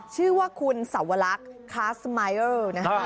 ชื่อว่าคุณสวรรคคาสมายอร์